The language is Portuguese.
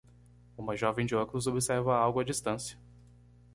Uma jovem de óculos observa algo à distância.